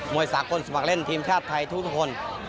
วยสากลสมัครเล่นทีมชาติไทยทุกคน